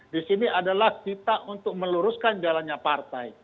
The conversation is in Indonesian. disini adalah kita untuk meluruskan jalannya partai